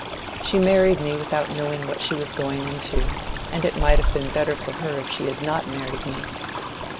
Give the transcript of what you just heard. She married me without knowing what she was going into, and it might have been better for her if she had not married me."